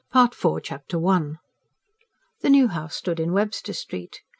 Part IV Chapter I The new house stood in Webster Street.